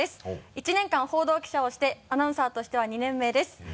１年間報道記者をしてアナウンサーとしては２年目です